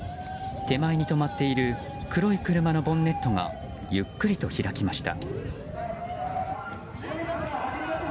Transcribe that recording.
手前に止まっている黒い車のボンネットがゆっくりと開きました。